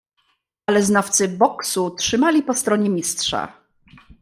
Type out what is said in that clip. "Ale znawcy boksu trzymali po stronie Mistrza."